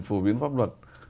phổ biến pháp luật